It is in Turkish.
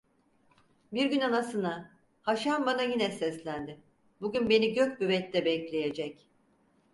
Bir gün anasına: 'Haşan bana yine seslendi; bugün beni Gök Büvet'te bekleyecek.